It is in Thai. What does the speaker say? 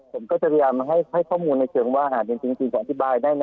ผมก็จะพยายามให้ข้อมูลในเชิงว่าจริงผมอธิบายได้ไหม